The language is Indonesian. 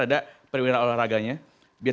ada perwira olahraganya biar